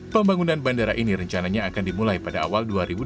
pembangunan bandara ini rencananya akan dimulai pada awal dua ribu delapan belas